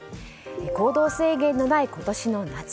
行動制限のない今年の夏。